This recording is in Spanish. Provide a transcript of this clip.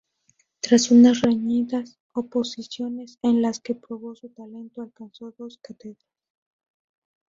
Tras unas reñidas oposiciones, en las que probó su talento, alcanzó dos cátedras.